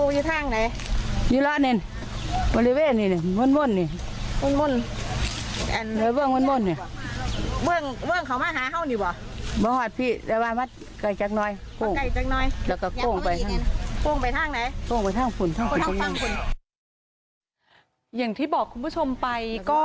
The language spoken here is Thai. อย่างที่บอกคุณผู้ชมไปก็